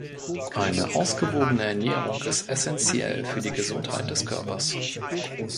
Eine ausgewogene Ernährung ist essentiell für die Gesundheit des Körpers.